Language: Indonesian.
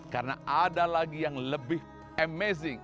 karena ada lagi yang lebih amazing